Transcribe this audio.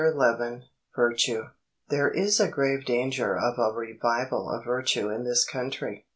XI VIRTUE There is grave danger of a revival of virtue in this country.